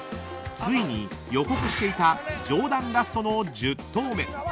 ［ついに予告していた上段ラストの１０投目］